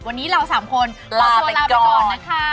วันนี้เรา๓คนลาไปก่อนนะคะ